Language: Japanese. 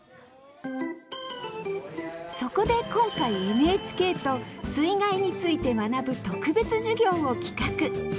そこで今回ＮＨＫと水害について学ぶ特別授業を企画。